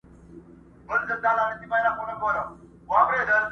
o خوار سو د ټره ونه لوېدئ!